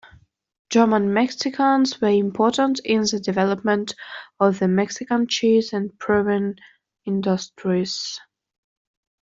German Mexicans were important in the development of the Mexican cheese and brewing industries.